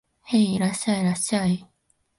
へい、いらっしゃい、いらっしゃい